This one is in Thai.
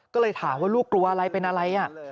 ก็เลยถามว่าลูกกลัวอะไรเป็นอะไร